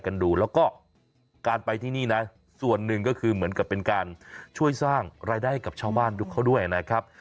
คือเหมือนกับเป็นการช่วยสร้างรายได้กับชาวบ้านเขาด้วยนะครับ